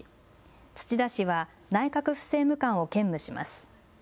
土田氏は内閣府政務官を兼務します。